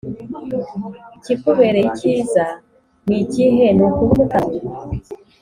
ikikubereye icyiza ni ikihe Ni ukuba umutambyi